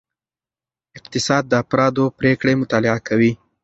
اقتصاد د افرادو پریکړې مطالعه کوي.